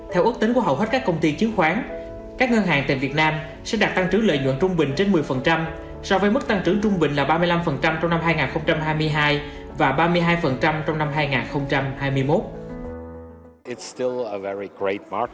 theo ước tính của hầu hết các công ty chứng khoán các ngân hàng tại việt nam sẽ đạt tăng trữ lợi nhuận trung bình trên một mươi so với mức tăng trưởng trung bình là ba mươi năm trong năm hai nghìn hai mươi hai và ba mươi hai trong năm hai nghìn hai mươi một